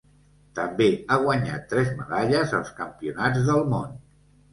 També ha guanyat tres medalles als Campionats del món.